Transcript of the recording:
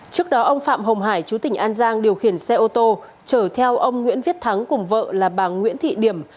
trước đó ông phạm hồng hải chú tỉnh an giang điều khiển xe ô tô chở theo ông nguyễn viết thắng cùng vợ là bà nguyễn thị điểm